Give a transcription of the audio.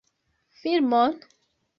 Filmon?